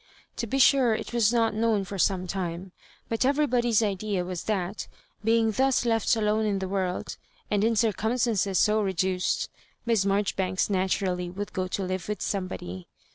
To be sure it was not known for some time ; but everybody's idea was that, being thus left alone in the world, and in circumstances 60 reduced, Mias Marjoribanks naturally would go to hve with somebody.